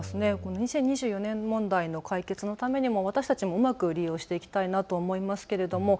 ２０２４年問題の解決のためにも私たちもうまく利用していきたいなと思います。